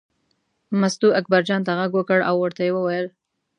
مستو اکبرجان ته غږ وکړ او ورته یې وویل.